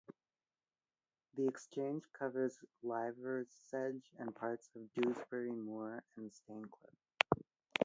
The exchange covers Liversedge, and parts of Dewsbury Moor and Staincliffe.